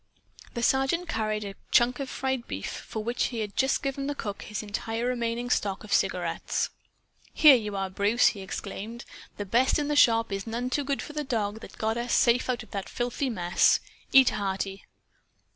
The Sergeant carried a chunk of fried beef, for which he had just given the cook his entire remaining stock of cigarettes. "Here you are, Bruce!" he exclaimed. "The best in the shop is none too good for the dog that got us safe out of that filthy mess. Eat hearty!"